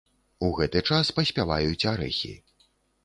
У гэты час паспяваюць арэхі.